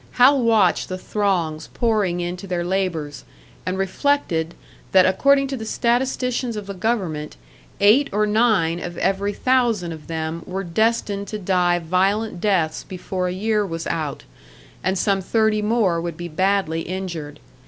Hal watched the throngs pouring in to their labours, and reflected that according to the statisticians of the government eight or nine of every thousand of them were destined to die violent deaths before a year was out, and some thirty more would be badly injured.